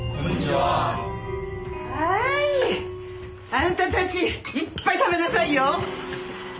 はーいあんたたちいっぱい食べなさいよ。